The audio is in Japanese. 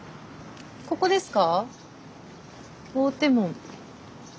ここですか？